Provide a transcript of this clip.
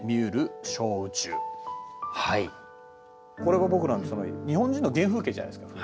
これが僕らの日本人の原風景じゃないですか。